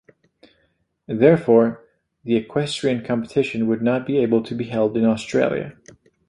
Therefore, the equestrian competition would not be able to be held in Australia.